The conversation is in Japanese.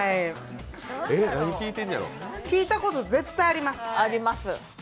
聞いたこと絶対にあります。